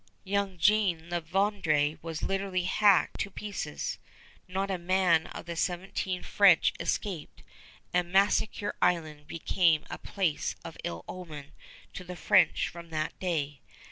Young Jean La Vérendrye was literally hacked to pieces. Not a man of the seventeen French escaped, and Massacre Island became a place of ill omen to the French from that day.